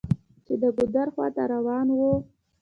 چې د ګودر خواته روان و.